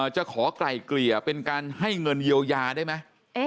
จะขอไกล่เกลี่ยเป็นการให้เงินเยียวยาได้ไหม